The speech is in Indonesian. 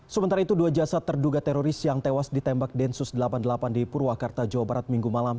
sementara itu dua jasad terduga teroris yang tewas ditembak densus delapan puluh delapan di purwakarta jawa barat minggu malam